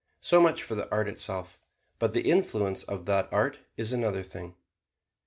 So much for the art itself; but the influence of that art is another thing.